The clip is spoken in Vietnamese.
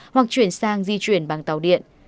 hoặc chuyển sang di chuyển bằng tàu điện